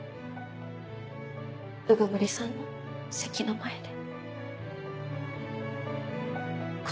鵜久森さんの席の前で。